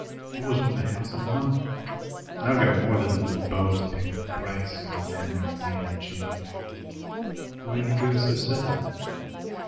He wasn't in the house a month." "I've more than a little bone to pick with Bryce," called Henry from the inner chamber. "Why did he go so suddenly?"